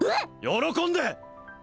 喜んで！